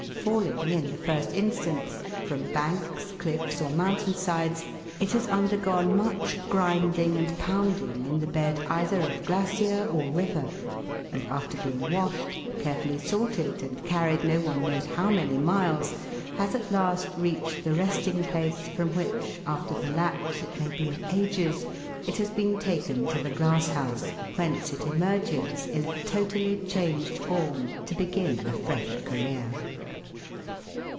Falling, in the first instance, from banks, cliffs, or mountain sides, it has undergone much grinding and pounding in the bed either ot glacier or river, and, after being washed, carefully sorted, and carried no one knows how many miles, has at last reached the resting place, from which, after the lapse it may be of ages, it has been taken to the glass house, whence it emerges in a totally changed form to begin a fresh career.